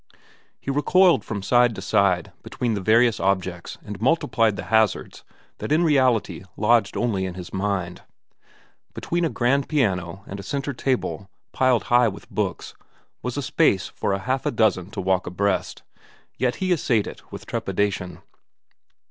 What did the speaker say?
He recoiled from side to side between the various objects and multiplied the hazards that in reality lodged only in his mind. Between a grand piano and a centre table piled high with books was space for a half a dozen to walk abreast, yet he essayed it with trepidation.